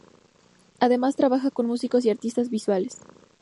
Además, trabaja con músicos y artistas visuales.